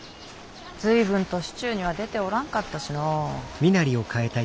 随分と市中には出ておらんかったしの。